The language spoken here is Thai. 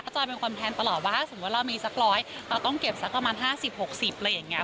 จอยเป็นคนแทนตลอดว่าถ้าสมมุติเรามีสักร้อยเราต้องเก็บสักประมาณ๕๐๖๐อะไรอย่างนี้